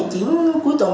dạ xin chào bạn